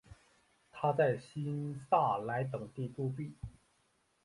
他在新萨莱等地铸币。